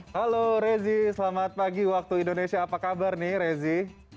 halo rezi selamat pagi waktu indonesia apa kabar nih rezi